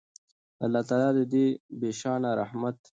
د الله تعالی د دې بې شانه رحمت